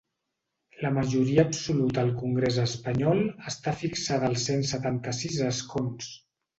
La majoria absoluta al congrés espanyol està fixada als cent setanta-sis escons.